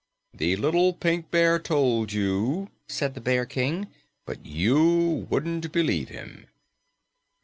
"The little Pink Bear told you," said the Bear King, "but you wouldn't believe him."